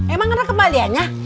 emang ada kembaliannya